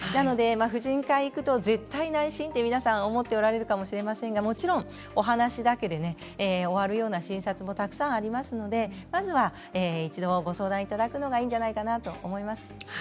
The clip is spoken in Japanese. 婦人科に行くと絶対に内診と皆さん思っているかもしれませんが、もちろんお話だけで終わるような診察もたくさんありますのでまずは一度、ご相談いただくのがいいんじゃないかなと思います。